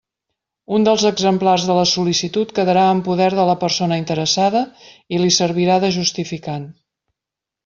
Un dels exemplars de la sol·licitud quedarà en poder de la persona interessada i li servirà de justificant.